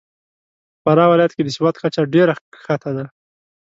په فراه ولایت کې د سواد کچه ډېره کښته ده .